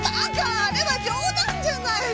あれは冗談じゃないの！